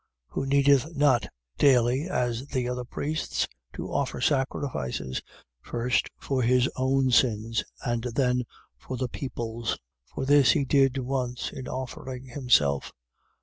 Who needeth not daily (as the other priests) to offer sacrifices, first for his own sins, and then for the people's: for this he did once, in offering himself.